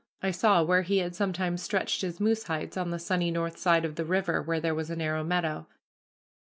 I saw where he had sometimes stretched his moose hides on the sunny north side of the river where there was a narrow meadow.